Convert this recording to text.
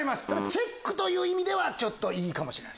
チェックという意味ではいいかもしれない。